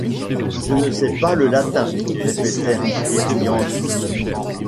Je ne sais pas le latin, répétait Riquet riant toujours.